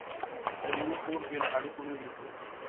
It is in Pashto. ـ د لېوه کور بې له هډوکو نه وي.